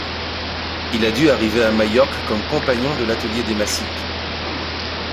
Il a dû arriver à Majorque comme compagnon de l'atelier des Masip.